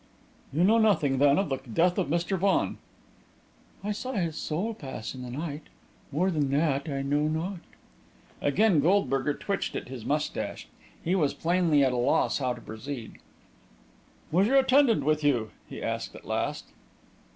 "You know nothing, then, of the death of Mr. Vaughan?" "I saw his soul pass in the night. More than that I know not." Again Goldberger twitched at his moustache. He was plainly at a loss how to proceed. "Was your attendant with you?" he asked, at last.